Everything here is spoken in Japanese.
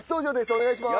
お願いします。